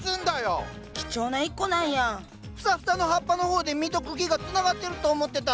フサフサの葉っぱの方で実と茎がつながってると思ってた。